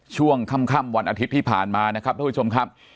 ช่วงค่ำวันอาทิตย์ที่ผ่านมานะครับท่านผู้ชมครับ